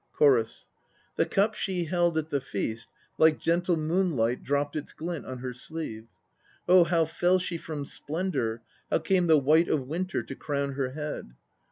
CHORUS. The cup she held at the feast Like gentle moonlight dropped its glint on her sleeve. Oh how fell she from splendour, How came the white of winter To crown her head?